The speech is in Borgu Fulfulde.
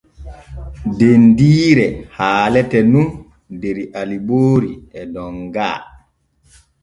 Dendiire haalete nun der Aliboori e Donga.